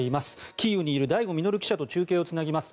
キーウにいる醍醐穣記者と中継をつなぎます。